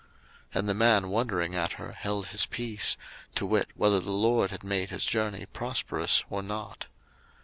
01:024:021 And the man wondering at her held his peace, to wit whether the LORD had made his journey prosperous or not.